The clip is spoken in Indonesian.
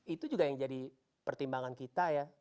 itu juga yang jadi pertimbangan kita ya